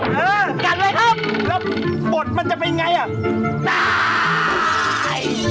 ไปเกินเลยครับปลดมันจะยังไงล่ะตาย